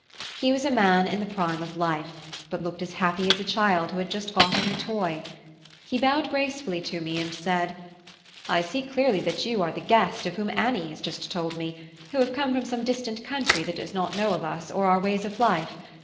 He was a man in the prime of life, but looked as happy as a child who has just got a new toy. He bowed gracefully to me and said "I see clearly that you are the guest, of whom Annie has just told me, who have come from some distant country that does not know of us, or our ways of life.